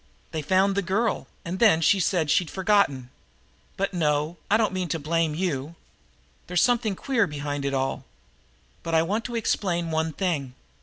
They found the girl, and then she said she'd forgotten but no, I don't mean to blame you. There's something queer behind it all. But I want to explain one thing.